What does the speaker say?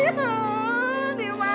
ya allah diman